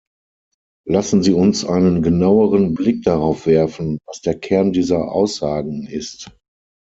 Lassen Sie uns einen genaueren Blick darauf werfen, was der Kern dieser Aussagen ist.